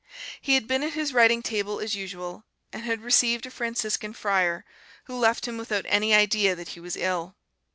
He had been at his writing table as usual, and had received a Franciscan friar, who left him without any idea that he was ill.